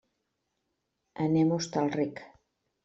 Anem a Hostalric.